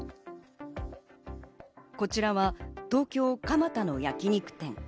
こちらは東京・蒲田の焼肉店。